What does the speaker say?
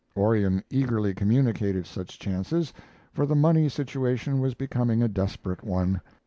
Orion eagerly communicated such chances, for the money situation was becoming a desperate one.